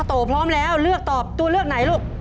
โตพร้อมแล้วเลือกตอบตัวเลือกไหนลูก